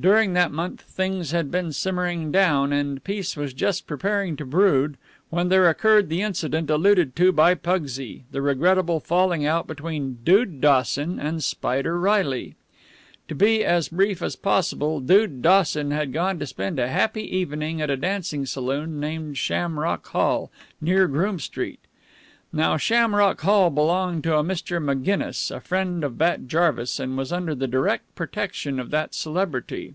During that month things had been simmering down, and peace was just preparing to brood when there occurred the incident alluded to by Pugsy, the regrettable falling out between Dude Dawson and Spider Reilly. To be as brief as possible, Dude Dawson had gone to spend a happy evening at a dancing saloon named Shamrock Hall, near Groome Street. Now, Shamrock Hall belonged to a Mr. Maginnis, a friend of Bat Jarvis, and was under the direct protection of that celebrity.